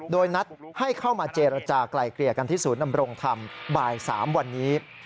โดยนัดให้เข้ามาเจรจากลายเกลี่ยกันที่ศูนย์นำรงธรรมบ่าย๓วันนี้